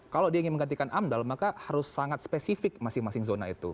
kalau dia ingin menggantikan amdal maka harus sangat spesifik masing masing zona itu